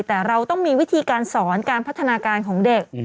แต่เราต้องมีวิธีการสอนการพัฒนาการของเด็ก